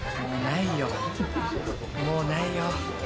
もうないよ。